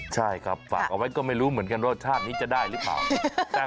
ใช่ครับมันจะได้รสชาตินี่หรือเปล่า